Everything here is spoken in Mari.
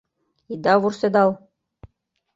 Ида вурседал.